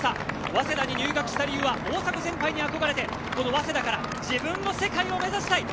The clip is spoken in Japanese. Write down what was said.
早稲田に入学した理由は大迫先輩に憧れてこの早稲田から自分も世界を目指したい。